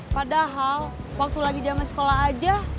padahal waktu lagi jaman sekolah aja